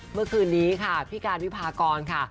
เมื่อคืนนี้ค่ะพี่การวิพากรค่ะ